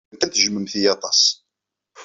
Iban kan tejjmemt-iyi aṭas.